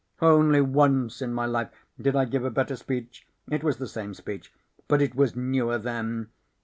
"Only once in my life did I give a better speech. It was the same speech, but it was newer then.